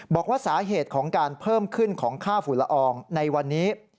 บอกว่าสาเหตุของการเพิ่มขึ้นของค่าฝุ่นละอองในวันนี้